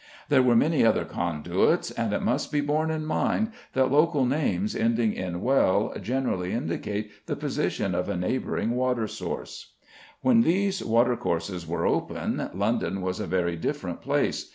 There were many other Conduits, and it must be borne in mind that local names ending in well generally indicate the position of a neighbouring water source. When these watercourses were open London was a very different place.